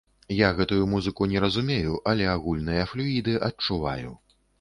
Я гэтую музыку не разумею, але агульныя флюіды адчуваю.